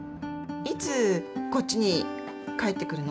いつこっちに帰ってくるの？